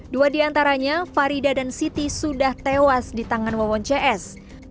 dua di antaranya farida dan siti sudah tewas di tangan wawon cs